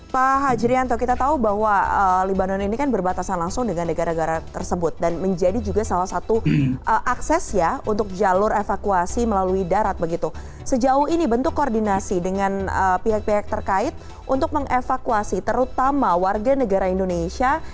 pihak pihak terkait untuk mengevakuasi terutama warga negara indonesia